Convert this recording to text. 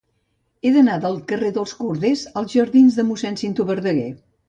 He d'anar del carrer dels Corders als jardins de Mossèn Cinto Verdaguer.